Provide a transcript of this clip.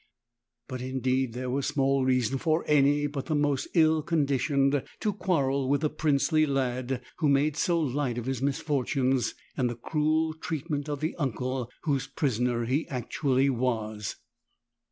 But indeed there was small reason for any but the most ill conditioned to quarrel with the princely lad who made so light of his misfortunes, and the cruel treatment of the uncle whose prisoner he actually was.